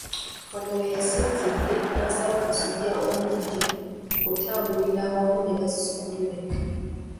Wano we yasinzidde n'asaba Kasujja omuggya okutambulira awamu ne bazzukulu be.